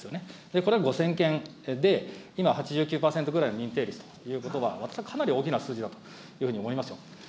これは５０００件で、今、８９％ぐらいの認定率ということは、私はかなり大きな数字だというふうに思いますよ。